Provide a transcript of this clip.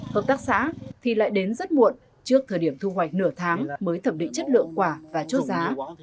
hợp tác xã thì lại đến rất muộn trước thời điểm thu hoạch nửa tháng mới thẩm định chất lượng quả và chốt giá